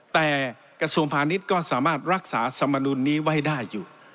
แต่กระทรวงพาณิชย์ก็สามารถรักษาสมดุลนี้ไว้ได้อยู่